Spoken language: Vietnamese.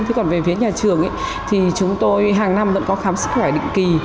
thế còn về phía nhà trường thì chúng tôi hàng năm vẫn có khám sức khỏe định kỳ